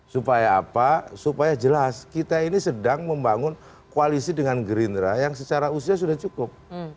supaya apa supaya jelas kita ini sedang membangun koalisi dengan gerindra yang secara usia sudah cukup